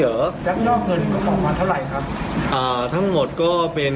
เหรอยักยกเงินก็ปล่อยมาเท่าไรครับอ่าทั้งหมดก็เป็น